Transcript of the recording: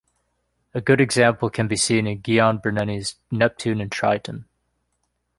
A good example can be seen in Gian Bernini's "Neptune and Triton".